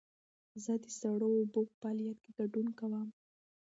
زه د سړو اوبو په فعالیت کې ګډون کوم.